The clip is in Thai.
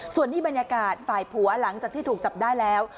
ส่วนนี้บรรยากาศฝ่ายผัวหลังจากที่ถูกจับได้แล้ว